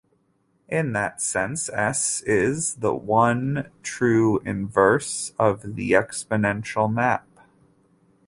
In that sense, "S" is the "one true inverse" of the exponential map.